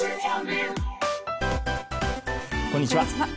こんにちは。